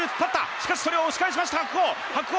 しかしそれを押し返しました白鵬白鵬